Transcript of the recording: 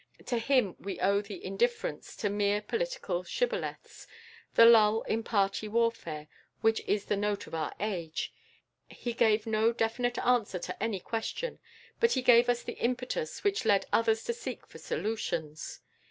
To him we owe the indifference to mere political shibboleths, the lull in party warfare, which is the note of our age. He gave no definite answer to any question, but he gave us the impetus which led others to seek for solutions.